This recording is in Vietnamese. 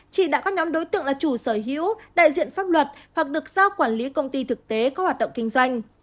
chỉ đạo các nhóm đối tượng là chủ sở hữu đại diện pháp luật hoặc được giao quản lý công ty thực tế có hoạt động kinh doanh